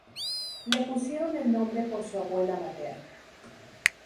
Le pusieron el nombre por su abuela materna.